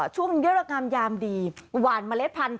ช่วงเวลากามยามดีหว่านเมล็ดพันธุ์